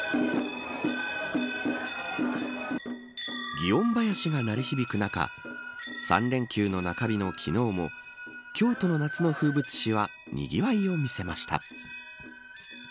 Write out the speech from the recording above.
祇園ばやしが鳴り響く中３連休の中日の昨日も京都の夏の風物詩はにぎわいを見せました。